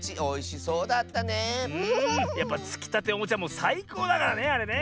やっぱつきたておもちはもうさいこうだからねあれね。